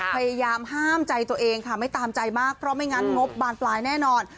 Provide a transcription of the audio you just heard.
พยายามห้ามใจตัวเองค่ะไม่ตามใจมากเพราะไม่งั้นงบบานปลายแน่นอน